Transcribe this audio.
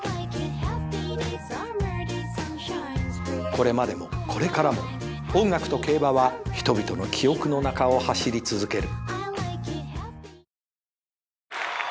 これまでもこれからも音楽と競馬は人々の記憶の中を走り続ける。